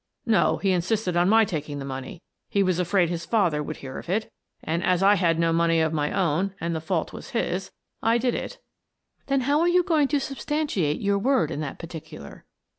"" No. He insisted on my taking the money — he was afraid his father would hear of it — and, as I had no money of my own, and the fault was his, I did it." " Then how are you going to substantiate your word in that particular?